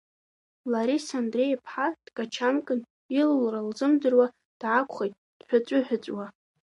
Лариса Андреи-иԥҳа дгачамкын, илура лзымдыруа, даақәхеит дҳәыҵәыҳәыҵәуа.